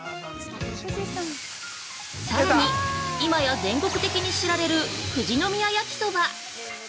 さらに今や全国的に知られる「富士宮焼きそば」。